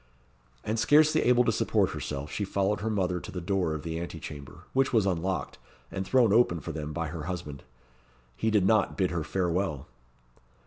And scarcely able to support herself, she followed her mother to the door of the ante chamber, which was unlocked, and thrown open for them by her husband. He did not bid her farewell!